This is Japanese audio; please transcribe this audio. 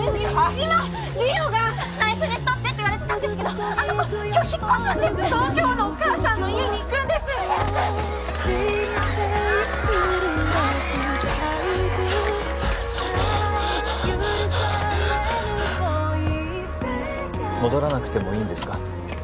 今梨央が内緒にしとってって言われてたんですけどあの子今日引っ越すんです東京のお母さんの家に行くんです戻らなくてもいいんですか？